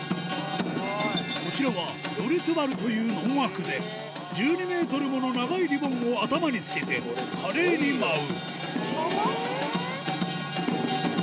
こちらは「ヨルトゥバル」という農楽で １２ｍ もの長いリボンを頭につけて華麗に舞う